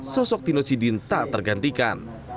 sosok tino sidin tak tergantikan